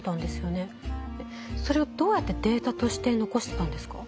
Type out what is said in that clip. それをどうやってデータとして残してたんですか？